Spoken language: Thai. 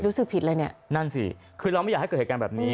รู้สึกผิดเลยเนี่ยนั่นสิคือเราไม่อยากให้เกิดเหตุการณ์แบบนี้